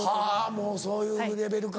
もうそういうレベルか。